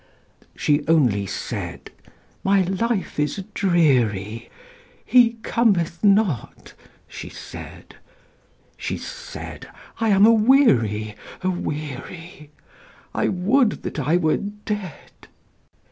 She only said, "My life is dreary, He cometh not," she said; She said, "I am aweary, aweary, I would that I were dead!"